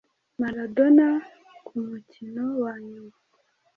Maradona ku mukino wanyuma